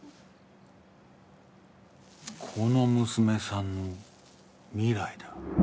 この娘さんの未来だ。